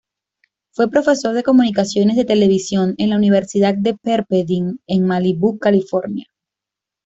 Fue profesor de comunicaciones de televisión en la Universidad de Pepperdine en Malibu, California.